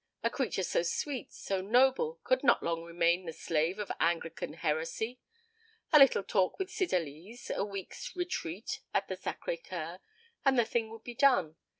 A creature so sweet, so noble, could not long remain the slave of Anglican heresy. A little talk with Cydalise, a week's "retreat" at the Sacré Coeur, and the thing would be done.